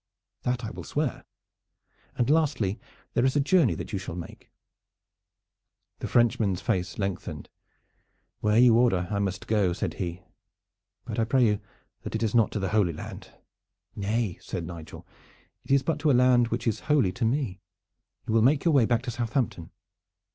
"That I will swear." "And lastly there is a journey that you shall make." The Frenchman's face lengthened. "Where you order I must go," said he; "but I pray you that it is not to the Holy Land." "Nay," said Nigel; "but it is to a land which is holy to me. You will make your way back to Southampton."